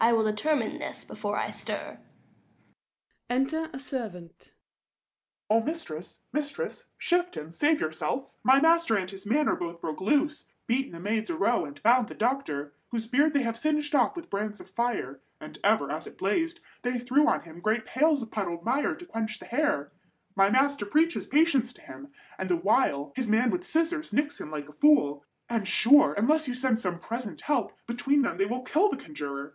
I will determine this before I stir. Enter a Servant. Serv. O mistress, mistress, shift and save yourself! My master and his man are both broke loose, Beaten the maids a row, and bound the doctor, 170 Whose beard they have singed off with brands of fire; And ever, as it blazed, they threw on him Great pails of puddled mire to quench the hair: My master preaches patience to him, and the while His man with scissors nicks him like a fool; 175 And sure, unless you send some present help, Between them they will kill the conjurer. _Adr.